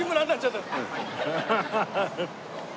アハハハ。